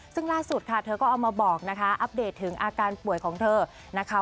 ซึ่งล่าสุดค่ะเธอก็เอามาบอกนะคะอัปเดตถึงอาการป่วยของเธอนะคะ